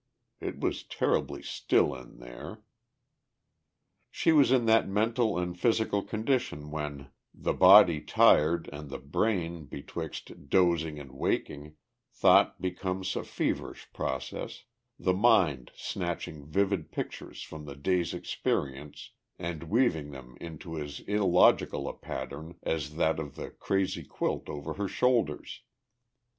It was terribly still in there. She was in that mental and physical condition when, the body tired and the brain betwixt dozing and waking, thought becomes a feverish process, the mind snatching vivid pictures from the day's experience and weaving them into as illogical a pattern as that of the crazy quilt over her shoulders.